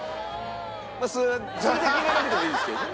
まあそれで決めなくてもいいですけどね。